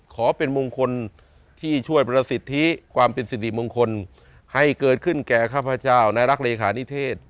ขอเป็นมงคลที่ช่วยประสิทธิความเป็นสิริมงคลให้เกิดขึ้นแก่ข้าพเจ้าในรักเลขานิเทศ